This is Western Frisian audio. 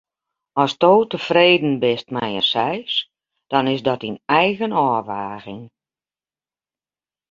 Asto tefreden bist mei in seis, dan is dat dyn eigen ôfwaging.